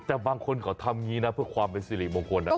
แต่บางคนเขาทำนี้นะเพื่อความเป็นศิลป์มงคล